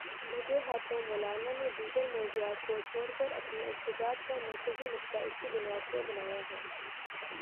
لگے ہاتھوں مولانا نے دیگر موضوعات کو چھوڑ کے اپنے احتجاج کا مرکزی نکتہ اسی بنیاد کو بنایا ہے۔